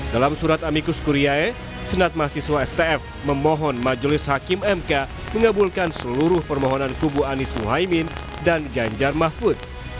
dalam surat amikus kuriae senat mahasiswa stf memohon majelis hakim mk mengabulkan seluruh permohonan kubu anies muhaymin dan ganjar mahfud